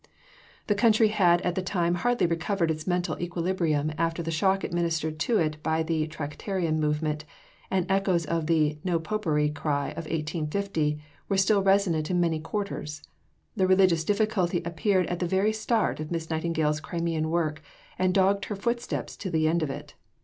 The country had at the time hardly recovered its mental equilibrium after the shock administered to it by the Tractarian movement, and echoes of the "No Popery" cry of 1850 were still resonant in many quarters. The religious difficulty appeared at the very start of Miss Nightingale's Crimean work, and dogged her footsteps to the end of it.